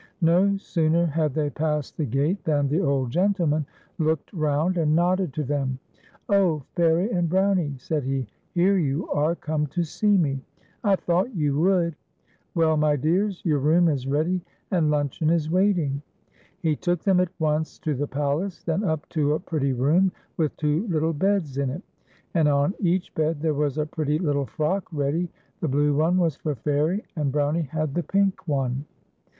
No sooner had they passed the gate than the old gentl :man looked roun d and nodded to them. 'Oh! Fairie and Brownie,' said he, " here you are come to see me 1 I thought > ou would. 174 FAIRIE AND BROWNIE. Well, my dears, your room is ready, and luncheon is waiting." He took them at once to the palace, then up to a pretty room with two little beds in it. And on each bed there was a pretty little frock ready ; the blue one was for Fairie, and Brownie had the pink one.